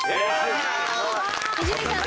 伊集院さん